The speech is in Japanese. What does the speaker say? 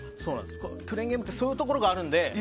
クレーンゲームってそういうところがあるので。